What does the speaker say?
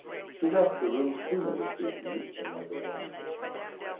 She left her room sooner this evening than was her wont.